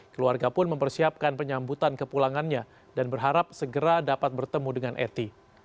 keluarga pun mempersiapkan penyambutan kepulangannya dan berharap segera dapat bertemu dengan eti